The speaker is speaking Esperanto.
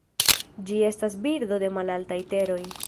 Ĝi estas birdo de malaltaj teroj.